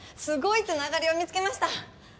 すごいつながりを見つけました。